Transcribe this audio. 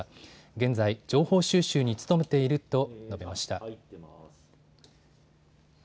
現在、情報収集に努めていると述べました。